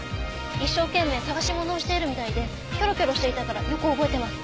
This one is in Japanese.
一生懸命捜し物をしているみたいでキョロキョロしていたからよく覚えてます。